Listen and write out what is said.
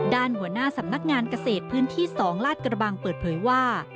ด้านหัวหน้าสำนักงานเกษตรพื้นที่๒ลาดกระบังเปิดเผยว่า